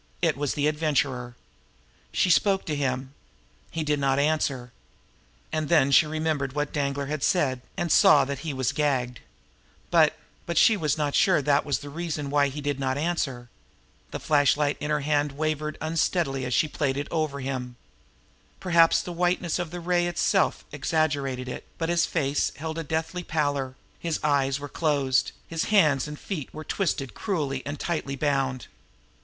It was the Adventurer. She spoke to him. He did not answer. And then she remembered what Danglar had said, and she saw that he was gagged. But but she was not sure that was the reason why he did not answer. The flashlight in her hand wavered unsteadily as it played over him. Perhaps the whiteness of the ray itself exaggerated it, but his face held a deathly pallor; his eyes were closed; and his hands and feet were twisted cruelly and tightly bound.